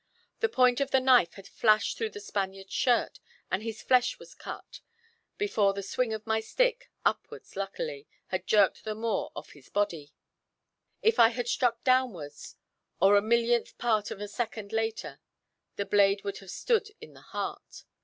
The point of the knife had flashed through the Spaniard's shirt and his flesh was cut, before the swing of my stick upwards luckily had jerked the Moor off his body. If I had struck downwards, or a millionth part of a second later, the blade would have stood in the heart.